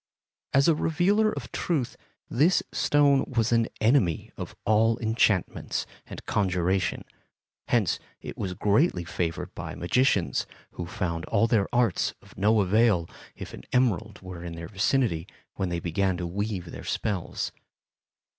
As a revealer of truth, this stone was an enemy of all enchantments and conjurations; hence it was greatly favored by magicians, who found all their arts of no avail if an emerald were in their vicinity when they began to weave their spells.